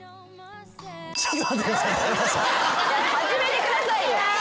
始めてくださいよ。